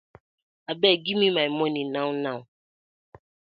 Abeg giv me my money now now.